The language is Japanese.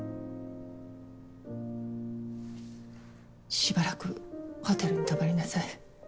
しばらくホテルに泊まりなさい。